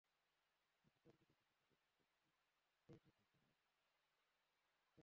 কিন্তু যাঁর গোলের জন্য সবার তৃষিত অপেক্ষা, সেই মেসিই সেভাবে গোলের সুযোগ পাননি।